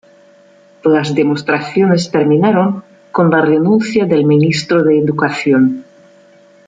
Las demostraciones terminaron con la renuncia del ministro de educación.